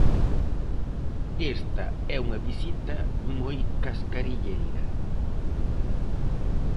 Esta é unha visita moi cascarilleira.